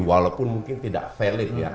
walaupun mungkin tidak valid ya